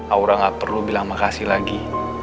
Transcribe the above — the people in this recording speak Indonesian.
aura gak perlu bilang makasih lagi